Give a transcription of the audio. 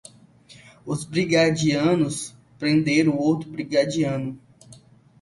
Os brigadianos prenderam outro brigadiano